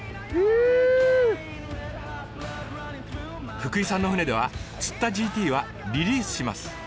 福井さんの船では釣ったＧＴはリリースします。